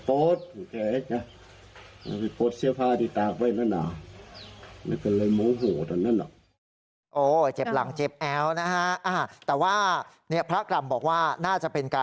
ก็มีการเรียกเหมือนเรียกเขาถ่ายในเมือง